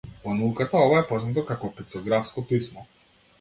Во науката ова е познато како пиктографско писмо.